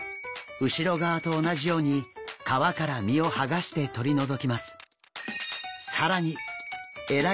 後ろ側と同じように皮から身をはがしてとり除きます。